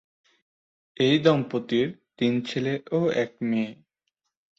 এ দম্পতির তিন ছেলে ও এক মেয়ে।